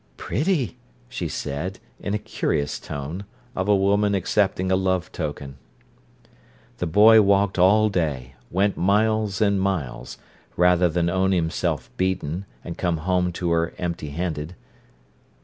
"Pretty!" she said, in a curious tone, of a woman accepting a love token. The boy walked all day, went miles and miles, rather than own himself beaten and come home to her empty handed.